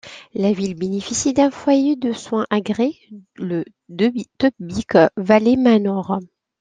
La ville bénéficie d'un foyer de soins agréés, le Tobique Valley Manor.